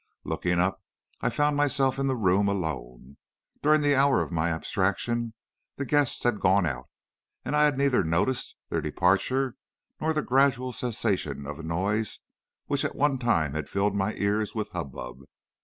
Looking up, I found myself in the room alone. During the hour of my abstraction the guests had gone out, and I had neither noticed their departure nor the gradual cessation of the noise which at one time had filled my ears with hubbub.